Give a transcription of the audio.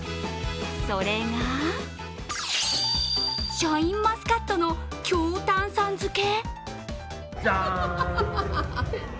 それがシャインマスカットの強炭酸漬け？